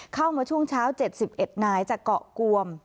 เข้ามาช่วงเช้า๗๑นายจากเกาะกวม